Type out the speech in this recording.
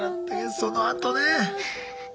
そのあとね。